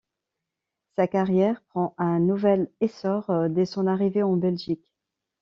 Sa carrière prend un nouvel essor dès son arrivée en Belgique.